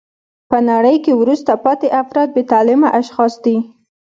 په نړۍ کښي وروسته پاته افراد بې تعلیمه اشخاص دي.